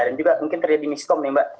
dan juga mungkin terjadi miskom nih mbak